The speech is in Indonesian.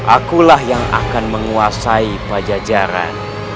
akulah yang akan menguasai pajajaran